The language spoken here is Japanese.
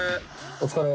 お疲れ。